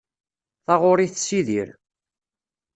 Taɣuri tessidir.